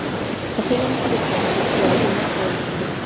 په ټولنه کي د تاوتريخوالي مخه ونيسئ.